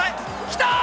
きた！